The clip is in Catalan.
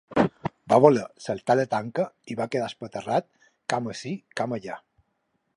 Va voler saltar la tanca i va quedar espaterrat cama ací, cama allà.